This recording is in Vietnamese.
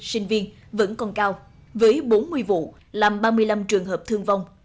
sinh viên vẫn còn cao với bốn mươi vụ làm ba mươi năm trường hợp thương vong